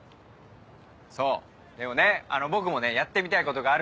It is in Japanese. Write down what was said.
そうでもね僕もねやってみたいことがあるんですよ。